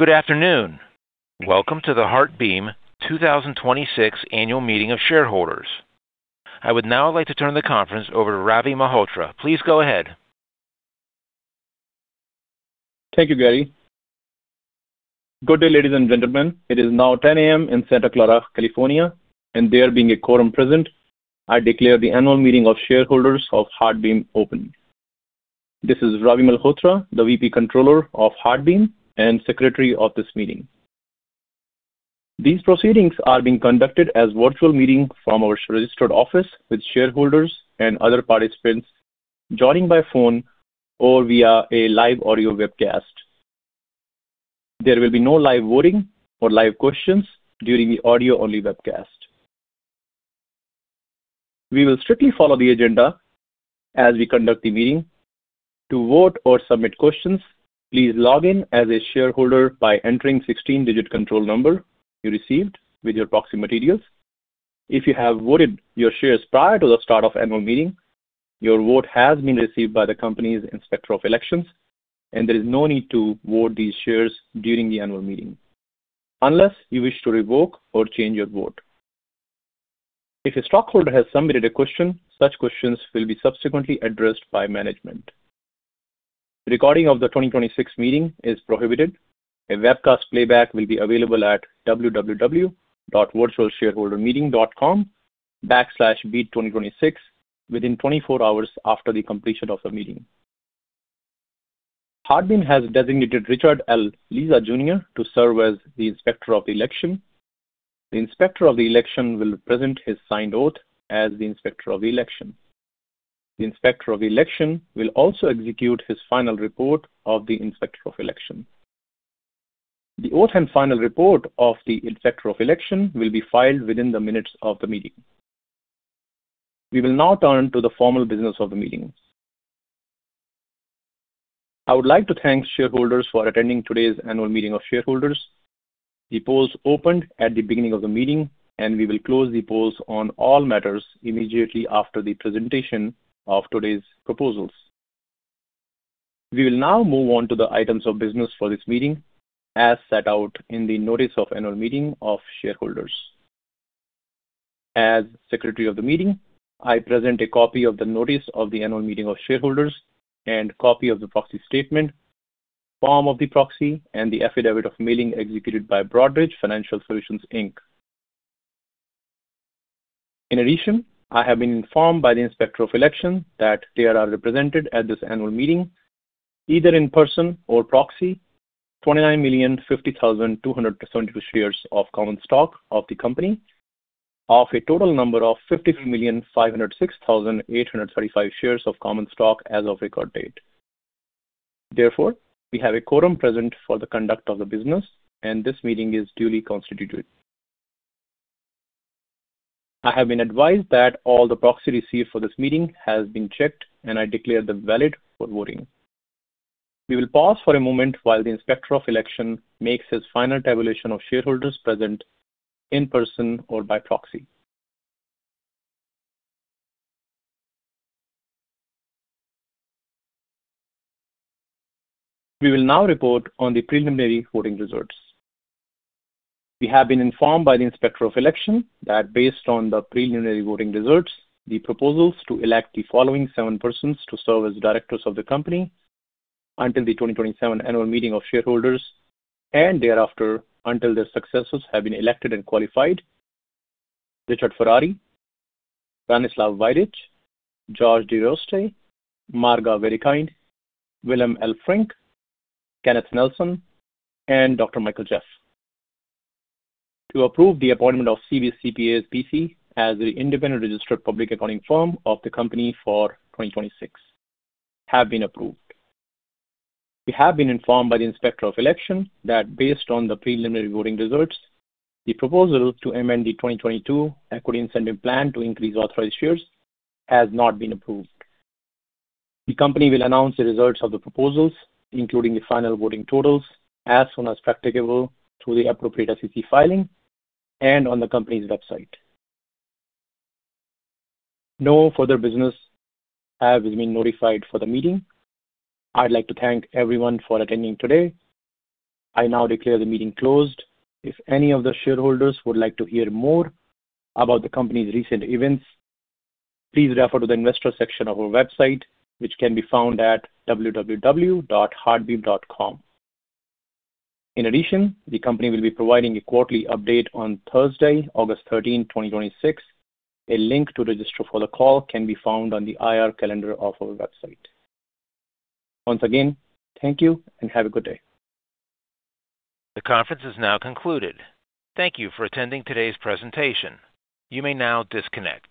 Good afternoon. Welcome to the HeartBeam 2026 Annual Meeting of Shareholders. I would now like to turn the conference over to Ravi Malhotra. Please go ahead. Thank you, Gary. Good day, ladies and gentlemen. It is now 10:00 A.M. in Santa Clara, California, and there being a quorum present, I declare the Annual Meeting of Shareholders of HeartBeam open. This is Ravi Malhotra, the VP Controller of HeartBeam and Secretary of this meeting. These proceedings are being conducted as virtual meeting from our registered office with shareholders and other participants joining by phone or via a live audio webcast. There will be no live voting or live questions during the audio-only webcast. We will strictly follow the agenda as we conduct the meeting. To vote or submit questions, please log in as a shareholder by entering 16-digit control number you received with your proxy materials. If you have voted your shares prior to the start of Annual Meeting, your vote has been received by the company's Inspector of Election, and there is no need to vote these shares during the Annual Meeting unless you wish to revoke or change your vote. If a stockholder has submitted a question, such questions will be subsequently addressed by management. Recording of the 2026 meeting is prohibited. A webcast playback will be available at www.virtualshareholdermeeting.com/beat2026 within 24 hours after the completion of the meeting. HeartBeam has designated Richard L. Leza, Jr. to serve as the Inspector of Election. The Inspector of Election will present his signed oath as the Inspector of Election. The Inspector of Election will also execute his final report of the Inspector of Election. The oath and final report of the Inspector of Election will be filed within the minutes of the meeting. We will now turn to the formal business of the meeting. I would like to thank shareholders for attending today's Annual Meeting of Shareholders. The polls opened at the beginning of the meeting, and we will close the polls on all matters immediately after the presentation of today's proposals. We will now move on to the items of business for this meeting, as set out in the notice of Annual Meeting of Shareholders. As secretary of the meeting, I present a copy of the notice of the Annual Meeting of Shareholders and copy of the proxy statement, form of the proxy, and the affidavit of mailing executed by Broadridge Financial Solutions, Inc. In addition, I have been informed by the Inspector of Election that they are represented at this annual meeting, either in person or proxy, 29,050,272 shares of common stock of the company of a total number of 53,506,835 shares of common stock as of record date. Therefore, we have a quorum present for the conduct of the business, and this meeting is duly constituted. I have been advised that all the proxy received for this meeting has been checked, and I declare them valid for voting. We will pause for a moment while the Inspector of Election makes his final tabulation of shareholders present in person or by proxy. We will now report on the preliminary voting results. We have been informed by the Inspector of Election that based on the preliminary voting results, the proposals to elect the following seven persons to serve as directors of the company until the 2027 annual meeting of shareholders and thereafter until their successors have been elected and qualified: Richard Ferrari, Branislav Vajdic, George Desroches, Marga Ortigas-Wedekind, Willem L. Elfrink, Kenneth Nelson, and Dr. Michael Jaff. To approve the appointment of CBIZ CPAs P.C. as the independent registered public accounting firm of the company for 2026 have been approved. We have been informed by the Inspector of Election that based on the preliminary voting results, the proposal to amend the 2022 Equity Incentive Plan to increase authorized shares has not been approved. The company will announce the results of the proposals, including the final voting totals, as soon as practicable through the appropriate SEC filing and on the company's website. No further business has been notified for the meeting. I'd like to thank everyone for attending today. I now declare the meeting closed. If any of the shareholders would like to hear more about the company's recent events, please refer to the investor section of our website, which can be found at www.heartbeam.com. In addition, the company will be providing a quarterly update on Thursday, August 13th, 2026. A link to register for the call can be found on the IR calendar of our website. Once again, thank you and have a good day. The conference is now concluded. Thank you for attending today's presentation. You may now disconnect